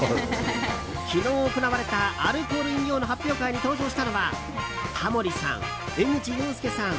昨日行われたアルコール飲料の発表会に登場したのはタモリさん、江口洋介さん